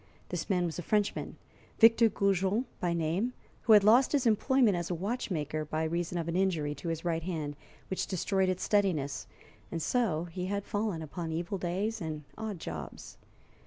This man was a Frenchman, Victor Goujon by name, who had lost his employment as a watchmaker by reason of an injury to his right hand, which destroyed its steadiness, and so he had fallen upon evil days and odd jobs.